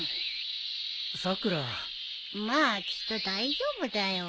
まあきっと大丈夫だよ。